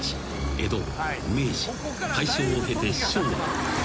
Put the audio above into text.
江戸明治大正を経て昭和へ］